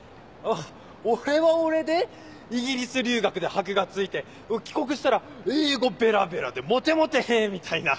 俺は俺でイギリス留学で箔が付いて帰国したら英語ベラベラでモテモテ！みたいな。